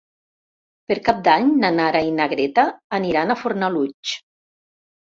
Per Cap d'Any na Nara i na Greta aniran a Fornalutx.